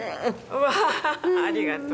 わあありがとう。